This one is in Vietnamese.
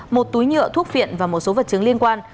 một túi nhựa thuốc viện và một số vật chứng liên quan